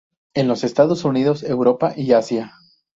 En los Estados Unidos, Europa y Asia.